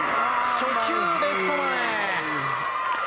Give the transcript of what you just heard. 初球、レフト前。